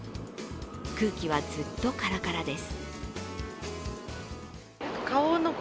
空気はずっとカラカラです。